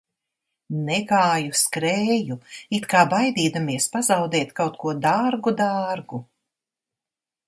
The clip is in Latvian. Negāju, skrēju it kā baidīdamies pazaudēt kaut ko dārgu, dārgu.